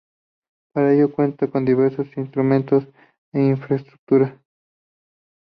Para ello cuenta con diversos instrumentos e infraestructura.